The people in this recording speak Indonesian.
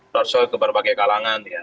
dorso ke berbagai kalangan ya